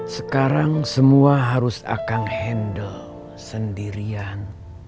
sekarang semua harus akan handle sendirian